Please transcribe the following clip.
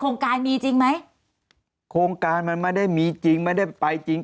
โครงการมีจริงไหมโครงการมันไม่ได้มีจริงไม่ได้ไปจริง